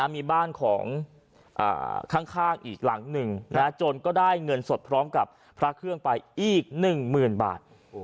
มีบ้านของข้างอีกหลังหนึ่งจนก็ได้เงินสดพร้อมกับพระเครื่องไปอีก๑๐๐๐บาท